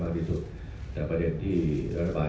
ก่อนให้การกลับความผิด